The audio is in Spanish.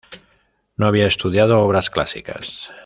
No había estudiado obras clásicas.